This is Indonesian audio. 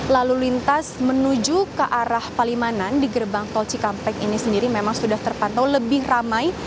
lalu lintas menuju ke arah palimanan di gerbang tol cikampek ini sendiri memang sudah terpantau lebih ramai